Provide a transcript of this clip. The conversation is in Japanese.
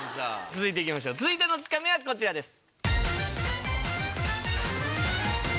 続いていきましょう続いてのツカミはこちらです。